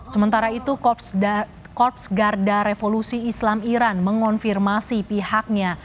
sementara itu korps garda revolusi islam iran mengonfirmasi pihaknya